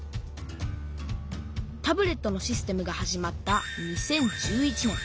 タブレットのシステムが始まった２０１１年。